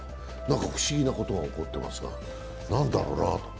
なんか不思議なことが起こってますが、何だろうなと。